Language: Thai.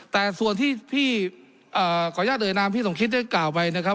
แต่ส่วนที่พี่ขออนุญาตเอ่ยนามพี่สมคิดได้กล่าวไปนะครับ